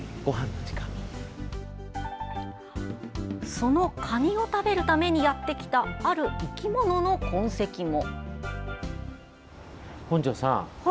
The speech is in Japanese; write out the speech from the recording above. そのカニを食べるためにやってきたある生き物の痕跡も。